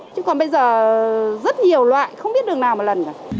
chứ còn bây giờ rất nhiều loại không biết đường nào một lần cả